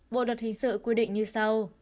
bộ luật hình sự quy định như sau